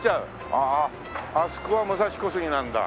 あああそこは武蔵小杉なんだ。